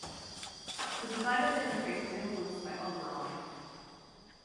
The design of the interface was influenced by Oberon.